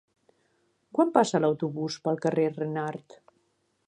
Quan passa l'autobús pel carrer Renart?